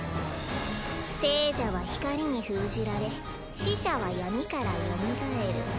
生者は光に封じられ死者は闇からよみがえる。